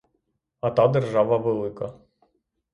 А та держава велика.